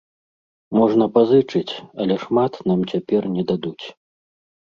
Можна пазычыць, але шмат нам цяпер не дадуць.